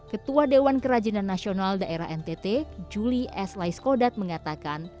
ketua dewan kerajinan nasional daerah ntt julie s laiskodat mengatakan